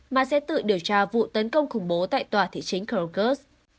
mà sẽ tự điều tra vụ tấn công khủng bố tại tòa thị chính krogus